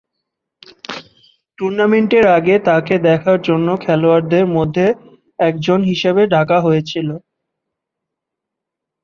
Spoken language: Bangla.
টুর্নামেন্টের আগে, তাকে দেখার জন্য খেলোয়াড়দের মধ্যে একজন হিসেবে ডাকা হয়েছিল।